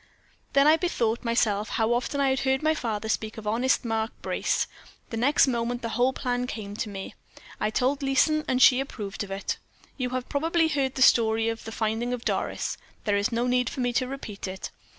"Then I bethought myself how often I had heard my father speak of honest Mark Brace. The next moment the whole plan came to me. I told Leeson, and she approved of it. You have probably heard the story of the finding of Doris; there is no need for me to repeat it.